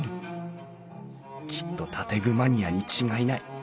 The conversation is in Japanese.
きっと建具マニアに違いない！